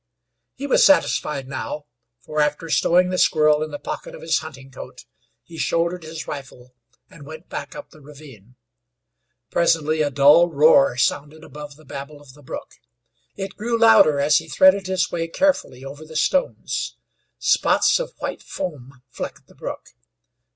He was satisfied now, for after stowing the squirrel in the pocket of his hunting coat he shouldered his rifle and went back up the ravine. Presently a dull roar sounded above the babble of the brook. It grew louder as he threaded his way carefully over the stones. Spots of white foam flecked the brook.